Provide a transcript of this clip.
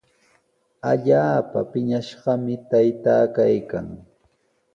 Allaapa piñashqami taytaa kaykan.